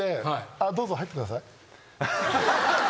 あっどうぞ入ってください。